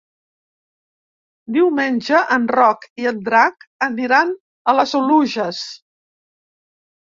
Diumenge en Roc i en Drac aniran a les Oluges.